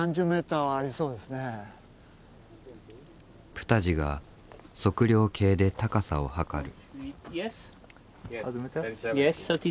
プタジが測量計で高さを測る。